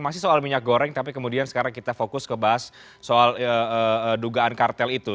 masih soal minyak goreng tapi kemudian sekarang kita fokus ke bahas soal dugaan kartel itu